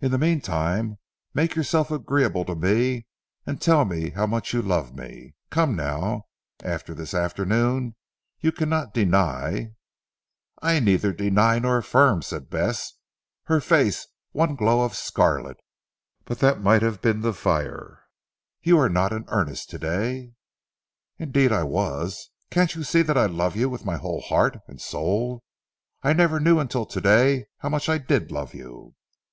In the meantime make yourself agreeable to me and tell me how much you love me. Come now. After this afternoon you cannot deny " "I neither deny nor affirm," said Bess her face one glow of scarlet but that might have been the fire "you were not in earnest to day." "Indeed I was. Can't you see that I love you with my whole heart and soul! I never knew until to day how much I did love you."